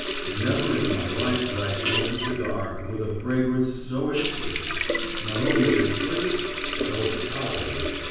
Never in my life had I smoked a cigar with a fragrance so exquisite. Not only exquisite, but overpowering.